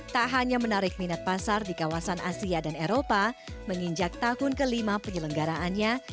tak hanya menarik minat pasar di kawasan asia dan eropa menginjak tahun kelima penyelenggaraannya